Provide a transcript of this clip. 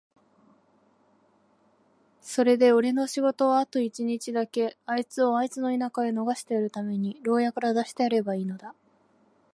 それでおれの仕事はあと一日だけ、あいつをあいつの田舎へ逃してやるために牢屋から出してやればいいのだ。